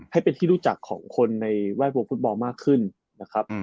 ให้เป็นที่รู้จักของคนในแวดวงฟุตบอลมากขึ้นนะครับ